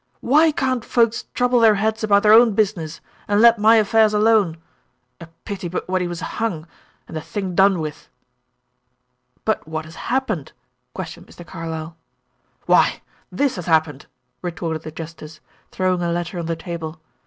Why can't folks trouble their heads about their own business, and let my affairs alone? A pity but what he was hung, and the thing done with!" "But what has happened?" questioned Mr. Carlyle. "Why this has happened," retorted the justice, throwing a letter on the table.